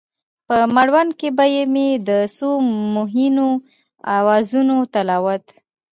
په مړوند کې به مې د څو مهینو اوازونو تلاوت،